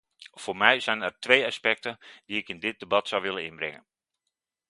Voor mij zijn er twee aspecten die ik in dit debat zou willen inbrengen.